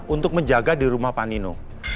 untuk menjaga di rumah panino